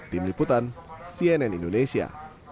tim liputan cnn indonesia